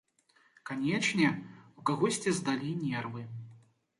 Канечне, у кагосьці здалі нервы.